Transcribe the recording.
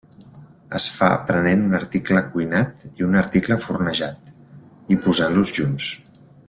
Es fa prenent un article cuinat i un article fornejat, i posant-los junts.